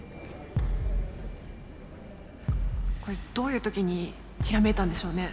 これどういう時にひらめいたんでしょうね。